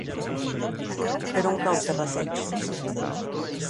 Per on cau Terrateig?